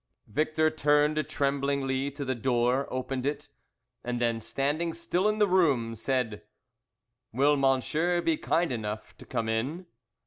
Victor turned tremblingly to the door, opened it, and then standing still in the room, said "Will monsieur be kind enough to come in?"